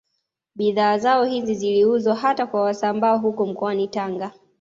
Bidhaa zao hizi ziliuzwa hata kwa Wasambaa huko mkoani Tanga